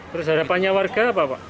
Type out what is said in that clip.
terus ada panjang warga apa